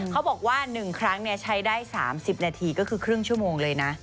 เขาบอกว่า๑ครั้งใช้ได้๓๐นาทีก็คือครึ่งชั่วโมงเลยนะ